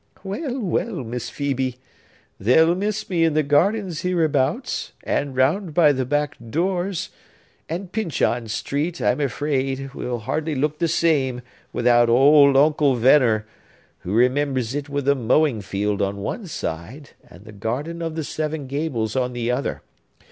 Well, well, Miss Phœbe! They'll miss me in the gardens hereabouts, and round by the back doors; and Pyncheon Street, I'm afraid, will hardly look the same without old Uncle Venner, who remembers it with a mowing field on one side, and the garden of the Seven Gables on the other.